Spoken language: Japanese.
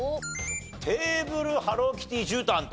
テーブルハローキティじゅうたんと。